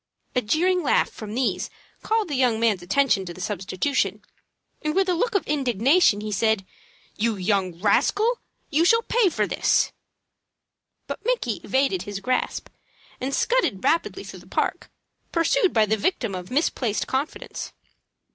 A jeering laugh from these called the young man's attention to the substitution, and, with a look of indignation, he said, "You young rascal, you shall pay for this!" But Micky evaded his grasp, and scudded rapidly through the park, pursued by the victim of misplaced confidence.